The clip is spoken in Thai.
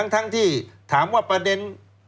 ทั้งที่ถามว่าประเด็น